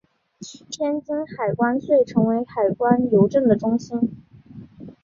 天津海关遂成为海关邮政的中心。